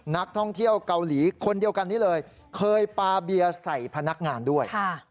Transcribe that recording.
นักท่องเที่ยวเกาหลีคนเดียวกันนี้เลยเคยปาเบียร์ใส่พนักงานด้วย